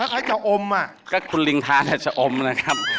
ฮะไอ้เจ้าอมอ่ะก็คุณลิ้งทานไอ้เจ้าอมนะครับ